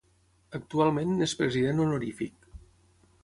Actualment n’és president honorífic.